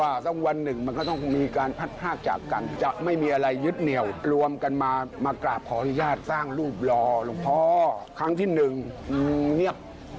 อันยาดสร้างรูปรอหลวงพ่อครั้งที่หนึ่งเงียบ